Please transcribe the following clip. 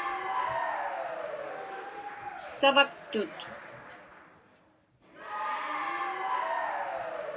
Savaktut.